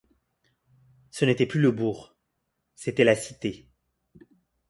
Ce n’était plus le bourg, c’était la cité.